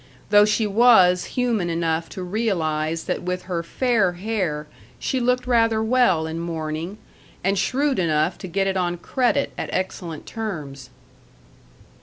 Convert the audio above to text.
Though she was human enough to realize that with her fair hair she looked rather well in mourning, and shrewd enough to get it on credit at excellent terms.